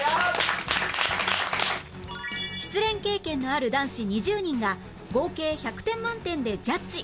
失恋経験のある男子２０人が合計１００点満点でジャッジ